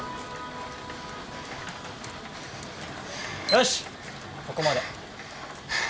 よしここまで。